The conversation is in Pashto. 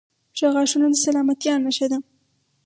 • ښه غاښونه د سلامتیا نښه ده.